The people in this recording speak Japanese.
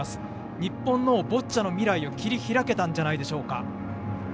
日本のボッチャの未来を切り開けたんじゃないでしょうか。